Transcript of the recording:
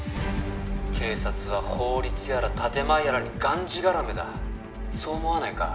警察は法律やら建て前やらにがんじがらめだそう思わないか？